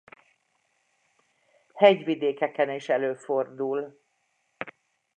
Hegyvidékeken is előfordul.